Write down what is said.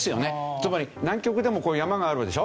つまり南極でもこういう山があるわけでしょ。